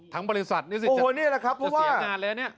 ทั้งบริษัทนี่สิจะเสียงงานแล้วเนี่ย